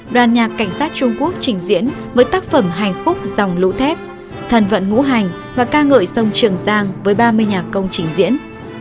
đoàn nhạc cảnh sát trung quốc trình diễn với tác phẩm hành khúc dòng lũ thép thần vận ngũ hành và ca ngợi sông trường giang với ba mươi nhạc công trình diễn